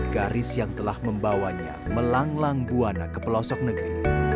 garis yang telah membawanya melanglang buana ke pelosok negeri